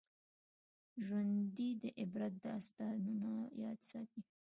ژوندي د عبرت داستانونه یاد ساتي